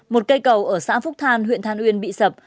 một cây cầu ở xã phúc than huyện than uyên bị sập